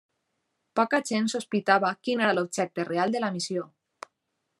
Poca gent sospitava quin era l'objecte real de la missió.